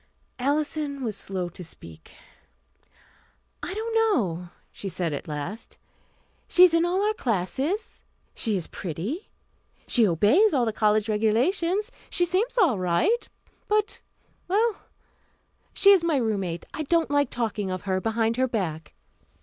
Alison was slow to speak. "I don't know," she said at last. "She is in all our classes; she is pretty; she obeys all the college regulations. She seems all right; but well, she is my roommate, I don't like talking of her behind her back."